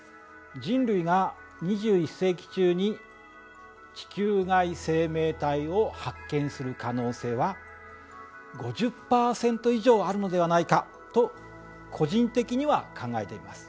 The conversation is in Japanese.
人類が２１世紀中に地球外生命体を発見する可能性は５０％以上あるのではないかと個人的には考えています。